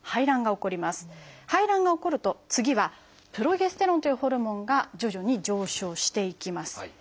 排卵が起こると次はプロゲステロンというホルモンが徐々に上昇していきます。